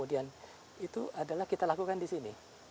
itu adalah kita lakukan di sini